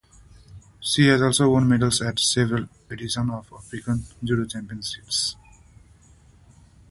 She has also won medals at several editions of the African Judo Championships.